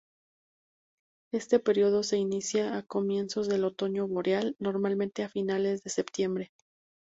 Este período se inicia a comienzos del otoño boreal, normalmente a finales de septiembre.